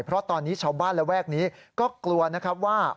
เพราะตอนนี้ชาวบ้านระแวกนี้ก็กลัวนะครับว่า